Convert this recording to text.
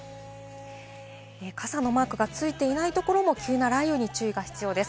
傘のマークがついていないところも急な雷雨に注意が必要です。